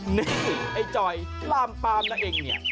นี่ไอ้จอยล่ามปามนะเองเนี่ย